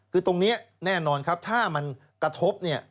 คือตรงนี้แน่นอนครับถ้ามันกระทบเนี่ย